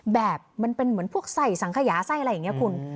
แบบมันเป็นเหมือนพวกใส่สังขยาไส้อะไรอย่างนี้คุณ